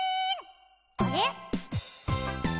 あれ？